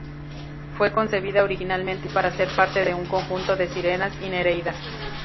Fue concebida originalmente para ser parte de un conjunto de sirenas y nereidas.